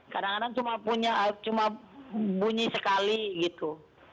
kadang kadang cuma punya cuma bunyi sekali gitu